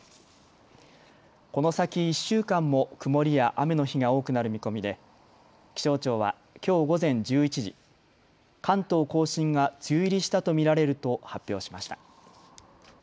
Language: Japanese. この先１週間も曇りや雨の日が多くなる見込みで気象庁はきょう午前１１時、関東甲信が梅雨入りしたと見られると発表しました。